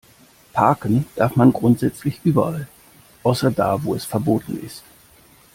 Parken darf man grundsätzlich überall, außer da, wo es verboten ist.